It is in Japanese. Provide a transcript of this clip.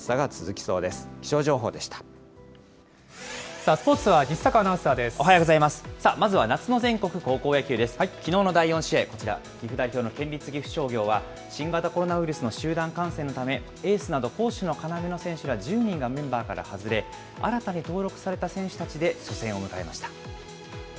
きのうの第４試合、こちら、岐阜代表の県立岐阜商業は、新型コロナウイルスの集団感染のため、エースなど、攻守の要の選手ら１０人がメンバーから外れ、新たに登録された選手たちで初戦を迎えました。